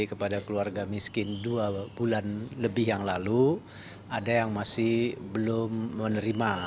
kepada keluarga miskin dua bulan lebih yang lalu ada yang masih belum menerima